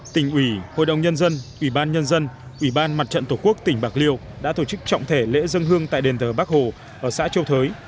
tỉnh ủy hội đồng nhân dân ủy ban nhân dân ủy ban mặt trận tổ quốc tỉnh bạc liêu đã tổ chức trọng thể lễ dân hương tại đền thờ bắc hồ ở xã châu thới